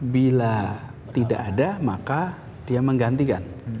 bila tidak ada maka dia menggantikan